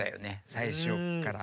最初っから。